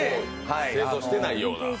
製造してないような。